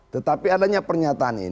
tetapi adanya pernyataan ini